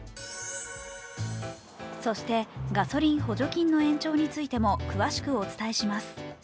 そして、ガソリン補助金の延長についても詳しくお伝えします。